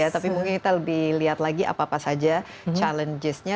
tapi mungkin kita lebih lihat lagi apa apa saja challenges nya